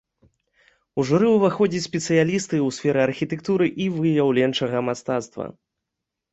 У журы ўваходзяць спецыялісты ў сферы архітэктуры і выяўленчага мастацтва.